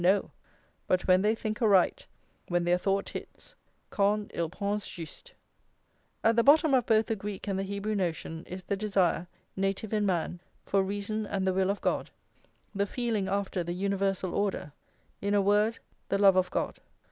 no; but when they think aright, when their thought hits, "quand ils pensent juste." At the bottom of both the Greek and the Hebrew notion is the desire, native in man, for reason and the will of God, the feeling after the universal order, in a word, the love of God.